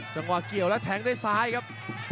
จังหวะเกี่ยวแล้วแทงด้วยซ้ายครับ